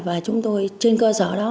và chúng tôi trên cơ sở đó